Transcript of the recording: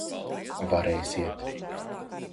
Varēsiet.